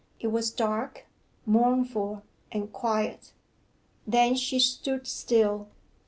It was dark, mournful, and quiet. Then she stood still.